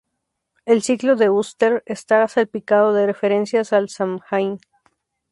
El "Ciclo de Ulster" está salpicado de referencias al Samhain.